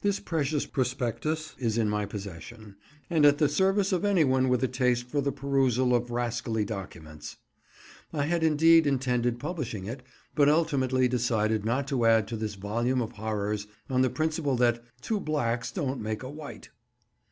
This precious prospectus is in my possession, and at the service of any one with a taste for the perusal of rascally documents. I had indeed intended publishing it, but ultimately decided not to add to this volume of horrors, on the principle that "two blacks don't make a white."